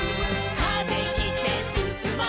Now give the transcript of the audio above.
「風切ってすすもう」